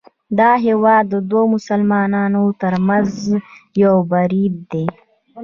دا هیواد د دوو مسلمانانو ترمنځ یو برید دی